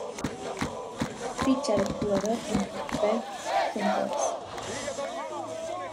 Ficha del jugador en feb.es